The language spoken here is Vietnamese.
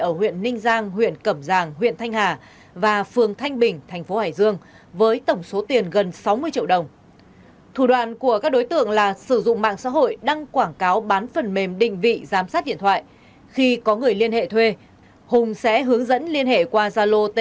ở huyện ninh giang huyện cẩm giang